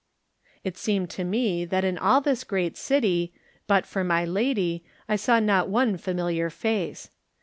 It seemed to me that in all this great city, but for my lady, I saw not one familiar face.